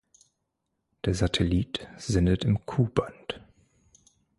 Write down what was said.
Der Satellit sendet im Ku-Band.